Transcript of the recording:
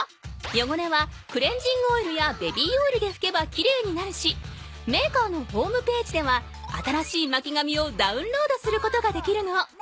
よごれはクレンジングオイルやベビーオイルでふけばきれいになるしメーカーのホームページでは新しいまきがみをダウンロードすることができるの。